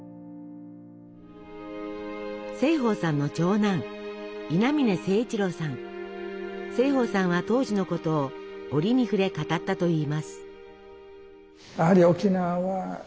盛保さんの長男盛保さんは当時のことを折に触れ語ったといいます。